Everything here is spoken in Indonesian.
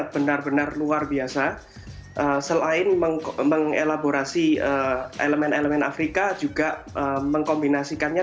benar benar luar biasa selain mengelaborasi elemen elemen afrika juga mengkombinasikannya